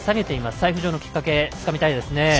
再浮上のきっかけをつかみたいですね。